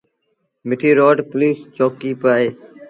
مٺيٚ روڊ تي پوُليٚس چوڪيٚ با اهي۔